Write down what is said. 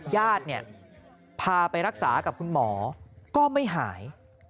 ญาติเนี่ยพาไปรักษากับคุณหมอก็ไม่หาย